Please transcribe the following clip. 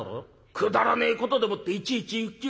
くだらねえことでもっていちいちうちへ来るんじゃ」。